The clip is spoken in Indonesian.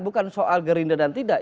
bukan soal gerindra dan tidak